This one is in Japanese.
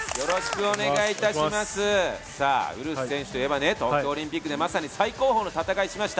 ウルフ選手といえば、東京オリンピックでまさに最高峰の戦いをしました。